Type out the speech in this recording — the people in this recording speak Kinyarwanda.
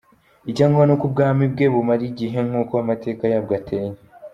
Icya ngombwa ni uko ubwami bwe bumara igihe, nk’uko amateka yabwo ateye.